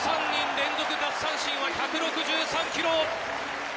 １３人連続奪三振は１６３キロ。